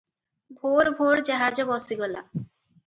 ଭୋର ଭୋର ଜାହାଜ ବସିଗଲା ।